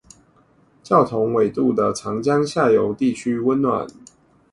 較同緯度的長江下游地區溫暖